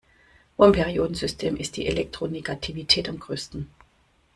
Wo im Periodensystem ist die Elektronegativität am größten?